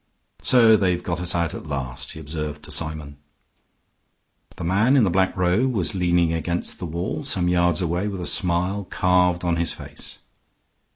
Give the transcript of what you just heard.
"So they've got at us at last," he observed to Symon. The man in the black robe was leaning against the wall some yards away, with a smile carved on his face.